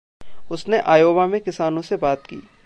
उसने आयोवा में किसानों से बात की।